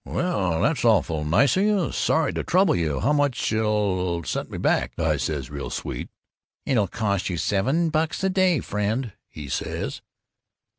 'Well, that's awful nice of you sorry to trouble you how much'll it set me back?' I says, real sweet. 'It'll cost you seven bucks a day, friend,' he says.